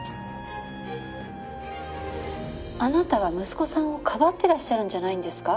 「あなたは息子さんをかばってらっしゃるんじゃないんですか？」